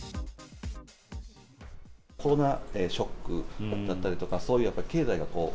コロナショックだったりとか、そういうやっぱり経済がこう、